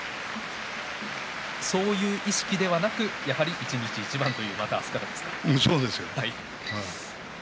そういう意識ではなく、やはり一日一番という明日からですか。